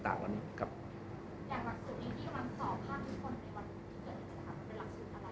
อย่างหลักศึกนี้ที่มันสอน